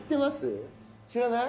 知らない？